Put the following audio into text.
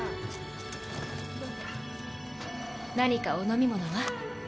何かお飲み物は？